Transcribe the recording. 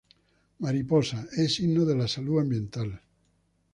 Mariposa: Es signo de la salud ambiental.